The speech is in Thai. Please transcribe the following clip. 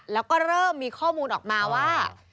แล้วก็เริ่มมีข้อมูลออกมาว่า